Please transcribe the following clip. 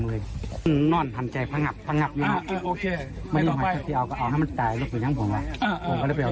มันว่ามันจะโยงมาหาผมมาบางแล้วจะเตะให้ผมละ